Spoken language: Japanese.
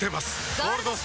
「ゴールドスター」！